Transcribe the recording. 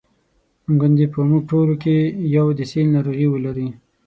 ګوندي په موږ ټولو کې یو د سِل ناروغي ولري.